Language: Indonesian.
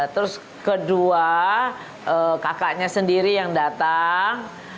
terus kedua kakaknya sendiri yang datang